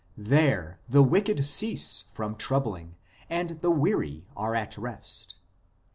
... There the wicked cease from troubling, and the weary are at rest.